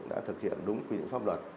đã thực hiện đúng quy định pháp luật